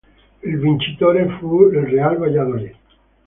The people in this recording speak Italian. Il vincitore fu il Real Valladolid.